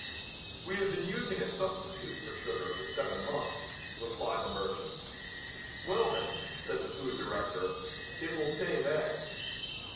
"We have been using a substitute for sugar for seven months," replied the merchants. "Well, then," said the food director, "it will save eggs."